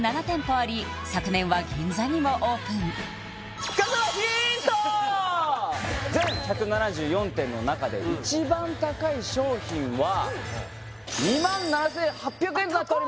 あり昨年は銀座にもオープン全１７４点の中で一番高い商品はあっ高っ！